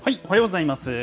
おはようございます。